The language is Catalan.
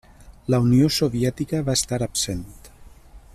La Unió Soviètica va estar absent.